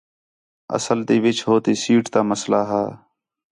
اصل تی وِچ ہو تی سیٹ تا مسئلہ ہا